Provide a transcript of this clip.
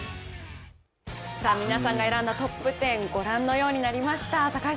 皆さんが選んだトップ１０ご覧のようになりました。